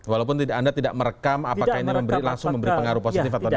walaupun anda tidak merekam apakah ini langsung memberi pengaruh positif atau tidak